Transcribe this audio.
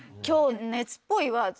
「今日熱っぽいわ」